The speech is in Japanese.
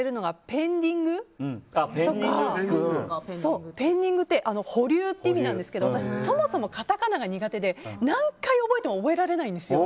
ペンディングって保留って意味なんですけど私はそもそもカタカナが苦手で何回覚えても覚えられないんですよ。